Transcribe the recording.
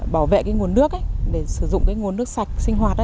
bảo vệ nguồn nước để sử dụng nguồn nước sạch sinh hoạt